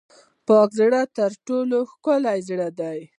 پاک زړه تر ټولو ښکلی زړه دی.